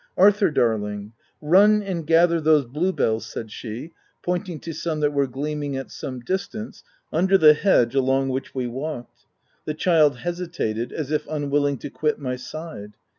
ce Arthur, darling, run and gather those blue bells," said she, pointing to some that were gleaming, at some distance, under the hedge along which we w r alked. The child hesitated, as if unwilling to quit my side.